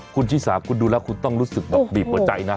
คุณชิสาคุณดูแล้วคุณต้องรู้สึกแบบบีบหัวใจนะ